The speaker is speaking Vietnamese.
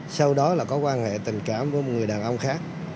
sau đó là có quan hệ tình cảm với một người đàn ông khác